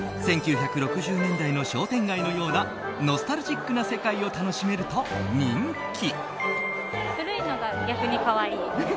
１９６０年代の商店街のようなノスタルジックな世界が楽しめると人気。